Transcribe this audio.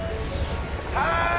はい！